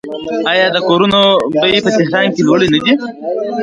آیا د کورونو بیې په تهران کې لوړې نه دي؟